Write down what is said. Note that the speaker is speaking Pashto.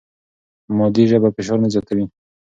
مادي ژبه فشار نه زیاتوي.